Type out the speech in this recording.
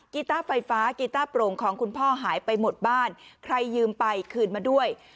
ีต้าไฟฟ้ากีต้าโปร่งของคุณพ่อหายไปหมดบ้านใครยืมไปคืนมาด้วย